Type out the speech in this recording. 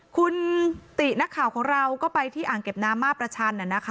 คุณตินักข่าวของเราก็ไปที่อ่างเก็บน้ำมาประชัน